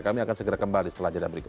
kami akan segera kembali setelah jeda berikut